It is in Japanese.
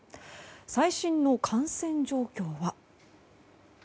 最新の感染状況は。